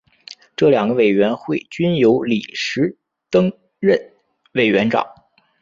这两个委员会均由李石曾任委员长。